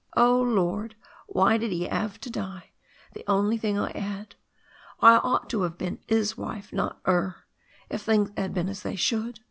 Oh, Lord ! Why did 'e 'ave to die? The only thing I 'ad. I ought to 'ave been 'is wife, not 'er, if things 'ad been as they should be.